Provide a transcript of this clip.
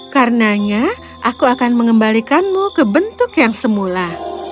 karenanya aku akan mengembalikanmu ke bentuk yang semula